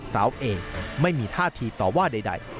สาวเองไม่มีท่าทีต่อว่าใด